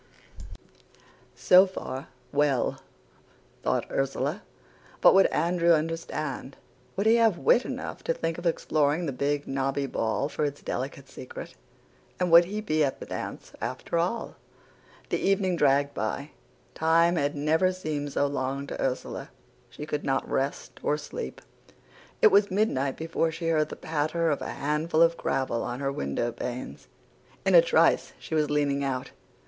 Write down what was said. "So far, well, thought Ursula. But would Andrew understand? Would he have wit enough to think of exploring the big, knobby ball for its delicate secret? And would he be at the dance after all? "The evening dragged by. Time had never seemed so long to Ursula. She could not rest or sleep. It was midnight before she heard the patter of a handful of gravel on her window panes. In a trice she was leaning out.